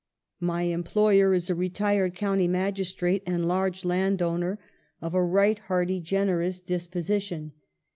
My employer is a retired county magistrate and large landholder, of a right 84 EMILY BRONTE. hearty, generous disposition.